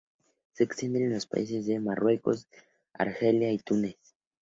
Se extiende entre los países de Marruecos, Argelia y Túnez.